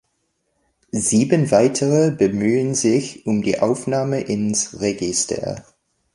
Sieben weitere bemühen sich um die Aufnahme ins Register.